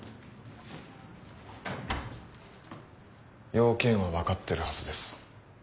用件は分かってるはずです。